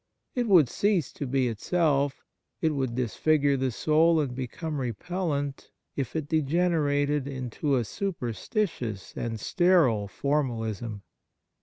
It would cease to be itself, it would disfigure the soul and become repellent, if it degenerated into a superstitious and sterile formalism.